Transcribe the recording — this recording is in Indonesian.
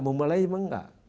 mau mulai apa enggak